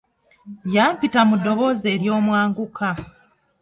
Yampita mu ddoboozi eryomwanguka.